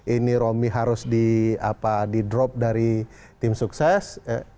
ini romi harus di drop dari tim sukses